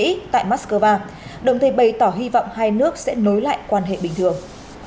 mỹ tại moscow đồng thời bày tỏ hy vọng hai nước sẽ nối lại quan hệ bình thường